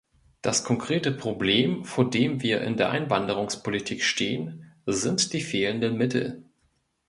Das konkrete Problem, vor dem wir in der Einwanderungspolitik stehen, sind die fehlenden Mittel.